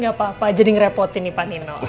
gak apa apa jadi ngerepotin nih panino